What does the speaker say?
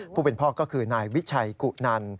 ผู้เป็นพ่อก็คือนายวิชัยกุนัน